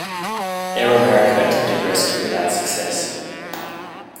Air America attempted rescue without success.